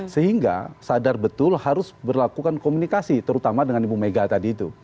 sehingga sadar betul harus berlakukan komunikasi terutama dengan ibu mega tadi itu